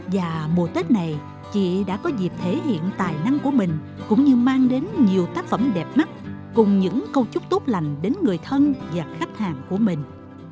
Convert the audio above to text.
và mùa tết này chị đã có dịp thể hiện tài năng của mình cũng như mang đến nhiều tác phẩm đẹp mắt cùng những câu chúc tốt lành đến người thân và khách hàng của mình